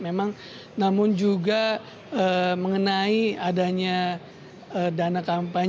memang namun juga mengenai adanya dana kampanye